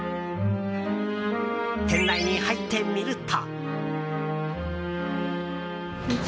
店内に入ってみると。